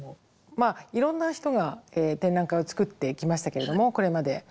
まあいろんな人が展覧会を作ってきましたけれどもこれまで。